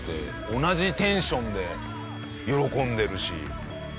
同じテンションで喜んでるし。